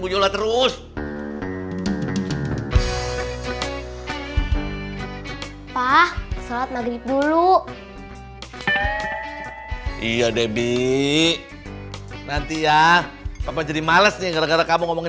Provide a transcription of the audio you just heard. goyola terus pak salat maghrib dulu iya debbie nanti ya apa jadi malesnya gara gara kamu ngomongin